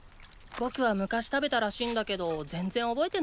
僕は昔食べたらしいんだけど全然覚えてないんだ。